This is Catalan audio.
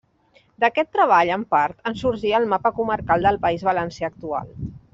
D'aquest treball, en part, en sorgí el mapa comarcal del País Valencià actual.